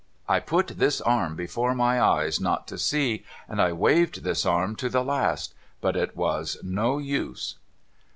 I put this arm before my eyes not to see, and I waved this arm to the last ; but it was no use.'